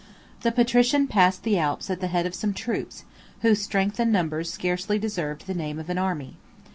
The patrician passed the Alps at the head of some troops, whose strength and numbers scarcely deserved the name of an army.